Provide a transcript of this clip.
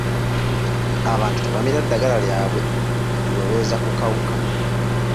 Abantu tebamira ddagala lyabwe liweweeza ku kawuka.